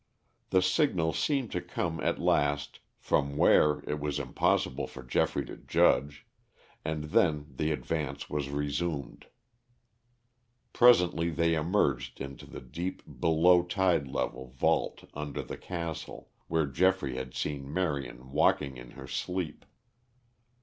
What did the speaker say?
The signal seemed to come at last, from where it was impossible for Geoffrey to judge, and then the advance was resumed. Presently they emerged into the deep below tide level vault under the castle, where Geoffrey had seen Marion walking in her sleep.